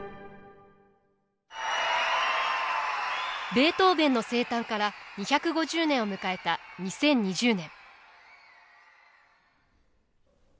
ベートーヴェンの生誕から２５０年を迎えた２０２０年。